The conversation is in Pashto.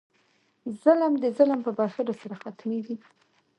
ظلم د ظلم په بښلو سره ختمېږي.